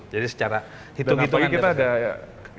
jadi secara hitung hitungan